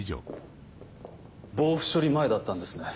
防腐処理前だったんですね。